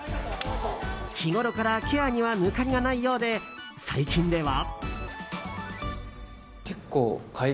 日ごろからケアには抜かりがないようで最近では。